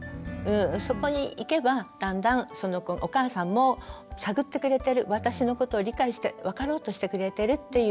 そこにいけばだんだんお母さんも探ってくれてる私のことを理解して分かろうとしてくれてるっていうね